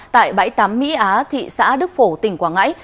tại bãi tắm mỹ á thị xã đức phổ tỉnh quảng ngãi